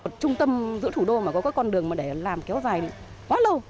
trung tâm giữa thủ đô mà có con đường mà để làm kéo dài quá lâu